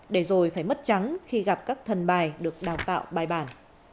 để rồi phải mất trắng khi gặp các thần bài được đào tạo bài bản